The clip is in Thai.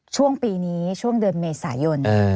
ช่วงปีนี้ช่วงเดือนเมษายน